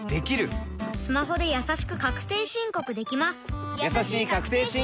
スマホでやさしく確定申告できます